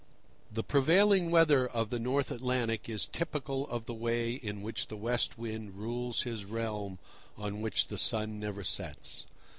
The prevailing weather of the North Atlantic is typical of the way in which the West Wind rules his realm on which the sun never sets.